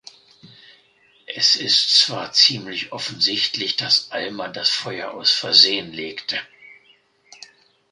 Es ist zwar ziemlich offensichtlich, dass Alma das Feuer aus Versehen legte.